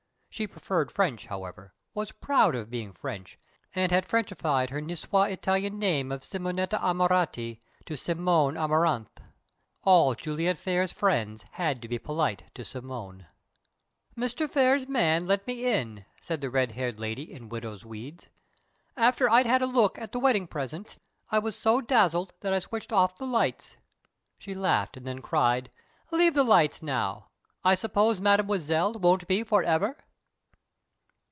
She preferred French, however, was proud of being French, and had Frenchified her Nicois Italian name of Simonetta Amaranti to Simone Amaranthe. All Juliet Phayre's friends had to be polite to Simone. "Mr. Phayre's man let me in," said the red haired lady in widow's weeds. "After I'd had a look at the wedding presents, I was so dazzled that I switched off the lights." She laughed, and then cried, "Leave the lights now! I suppose Mademoiselle won't be forever?"